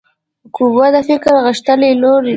قهوه د فکر غښتلي لوری دی